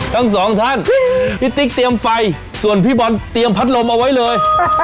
ทั้งสองท่านพี่ติ๊กเตรียมไฟส่วนพี่บอลเตรียมพัดลมเอาไว้เลย